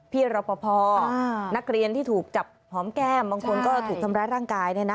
พี่รอปภนักเรียนที่ถูกจับหอมแก้มบางคนก็ถูกทำร้ายร่างกาย